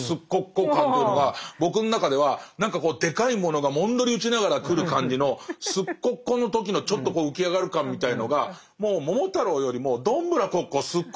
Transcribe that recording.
ここ」感というのが僕の中では何かこうでかいものがもんどり打ちながら来る感じの「すっここ」の時のちょっと浮き上がる感みたいのがもう「桃太郎」よりも「どんぶらこっこすっ